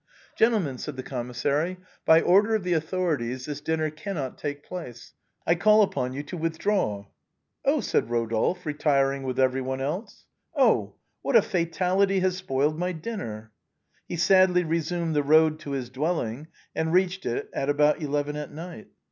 " Gentlemen," said the commissary, " by order of the authorities, this dinner cannot take place. I call upon you to withdraw." " Oh !" said Eodolphe, retiring with everyone else. " Oh ! what a fatality has spoilt my dinner." He sadly resumed the road to his dwelling, and reached it at about eleven at night.